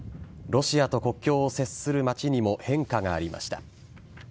ロシアと国境を接する町にも変化がありました。